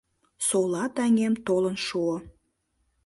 Сола таҥем толын шуо.